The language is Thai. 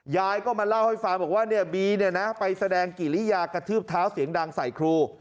ยายก็มาเล่าให้ฟังบอกว่าเนี่ยบีเนี่ยนะไปแสดงกิริยากระทืบเท้าเสียงดังใส่ครู